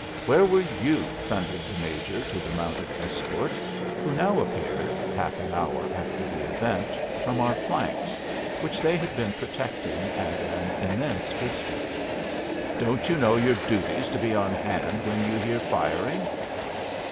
"Where were you?" thundered the Major to the mounted escort, who now appeared, half an hour after the event, from our flanks, which they had been protecting at an immense distance. "Don't you know your duty's to be on hand when you hear firing?"